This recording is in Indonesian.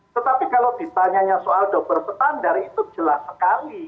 tetapi kalau ditanyanya soal dober standar itu jelas sekali